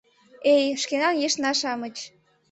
Эй, шкенан ешна-шамыч